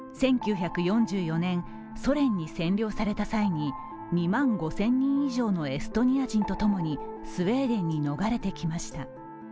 １９４４年、ソ連に占領された際に２万５０００人以上のエストニア人と共にスウェーデンに逃れてきました。